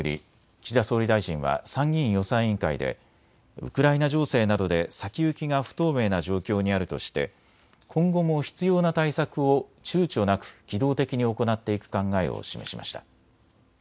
岸田総理大臣は参議院予算委員会でウクライナ情勢などで先行きが不透明な状況にあるとして今後も必要な対策をちゅうちょなく機動的に行っていく考えを示しました。